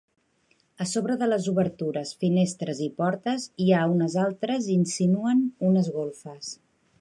A sobre de les obertures, finestres i portes, hi ha unes altres insinuen unes golfes.